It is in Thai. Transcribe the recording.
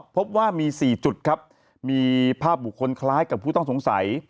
พบว่ามี๔จุดครับมีภาพบุคคลคล้ายกับผู้ต้องสงสัย